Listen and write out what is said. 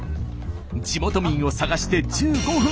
地元民を探して１５分。